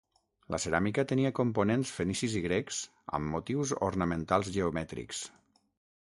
La ceràmica tenia components fenicis i grecs, amb motius ornamentals geomètrics.